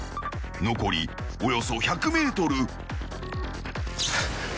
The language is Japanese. ［残りおよそ１００ｍ］